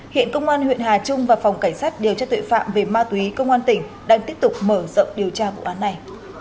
hiện công an huyện hà trung và phòng cảnh sát điều tra tội phạm về ma túy công an tỉnh đang tiếp tục mở rộng điều tra vụ án này